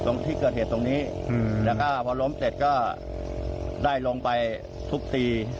ตรงที่เกิดเหตุตรงนี้แล้วก็พอล้มเสร็จก็ได้ลงไปทุบตี